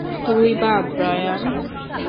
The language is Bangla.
তুই বাদ, ব্রায়ান!